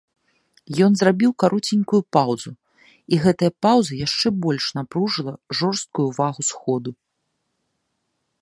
Ён зрабіў кароценькую паўзу, і гэтая паўза яшчэ больш напружыла жорсткую ўвагу сходу.